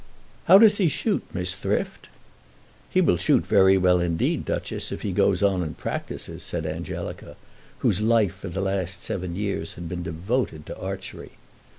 How does he shoot, Miss Thrift?" "He will shoot very well indeed, Duchess, if he goes on and practises," said Angelica, whose life for the last seven years had been devoted to archery.